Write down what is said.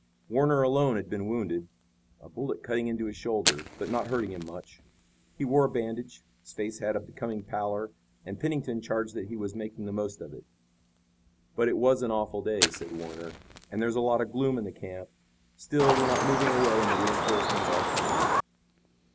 Warner alone had been wounded, a bullet cutting into his shoulder, but not hurting him much. He wore a bandage, his face had a becoming pallor, and Pennington charged that he was making the most of it. "But it was an awful day," said Warner, "and there's a lot of gloom in the camp. Still, we're not moving away and the reinforcements are coming."